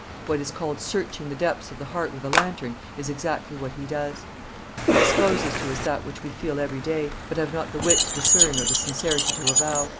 What is called searching the depths of the heart with a lantern is exactly what he does; he discloses to us that which we feel every day, but have not the wit to discern or the sincerity to avow.